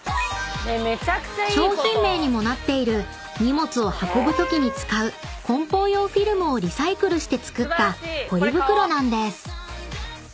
［商品名にもなっている荷物を運ぶときに使う梱包用フィルムをリサイクルして作ったポリ袋なんです］